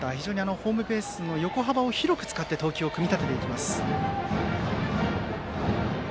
ホームベースの横幅を広く使い投球を組み立てていきます。